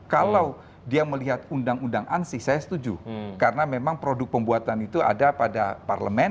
kalau dia melihat undang undang ansi saya setuju karena memang produk pembuatan itu ada pada parlemen